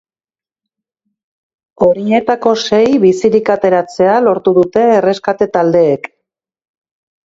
Horietako sei bizirik ateratzea lortu dute erreskate taldeek.